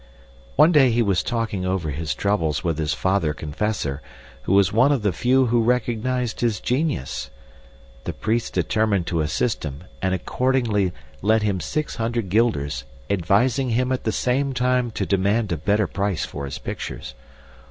One day he was talking over his troubles with his father confessor, who was one of the few who recognized his genius. The priest determined to assist him and accordingly lent him six hundred guilders, advising him at the same time to demand a better price for his pictures.